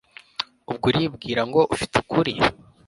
ubwo uribwira ngo ufite ukuri